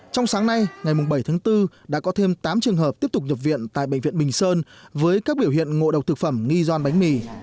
trong sáng nay ngày bảy tháng bốn đã có thêm tám trường hợp tiếp tục nhập viện tại bệnh viện bình sơn với các biểu hiện ngộ độc thực phẩm nghi doan bánh mì